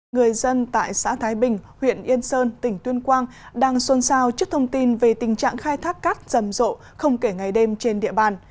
người dân tại xã thái bình huyện yên sơn tỉnh tuyên quang đang xuân sao trước thông tin về tình trạng khai thác cát rầm rộ không kể ngày đêm trên địa bàn